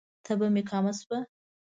تبه می کمه شوه؟